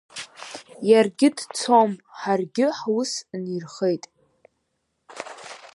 Иаргьы дцом, ҳаргьы ҳус нхеит!